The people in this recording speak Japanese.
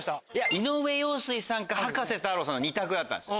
井上陽水さんか葉加瀬太郎さんの２択だったんですよ。